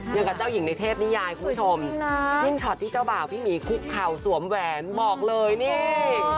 อย่างกับเจ้าหญิงในเทพนิยายคุณผู้ชมยิ่งช็อตที่เจ้าบ่าวพี่หมีคุกเข่าสวมแหวนบอกเลยนี่